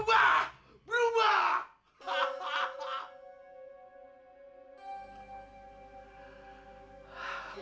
jangan jangan jangan